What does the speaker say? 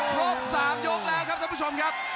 ครบ๓ยกแล้วครับท่านผู้ชมครับ